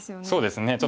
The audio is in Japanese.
そうですね。